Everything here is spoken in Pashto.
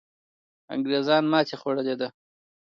انګریزان ماتې خوړلې ده.